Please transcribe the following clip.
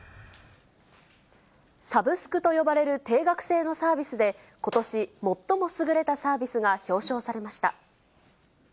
サブスクと呼ばれる定額制のサービスで、ことし、最も優れたサービスが表彰されました。